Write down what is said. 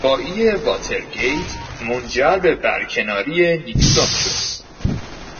رسوایی واترگیت منجر به برکناری نیکسون شد.